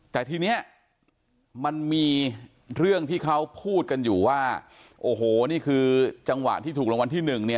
แต่ทีนี้มันมีเรื่องที่เขาพูดกันอยู่ว่าโอ้โหนี่คือจังหวะที่ถูกรางวัลที่หนึ่งเนี่ย